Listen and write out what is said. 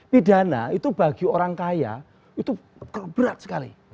pidana itu bagi orang kaya itu berat sekali